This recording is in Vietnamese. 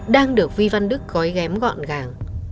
đang được vi văn đức gói ghém gọn gàng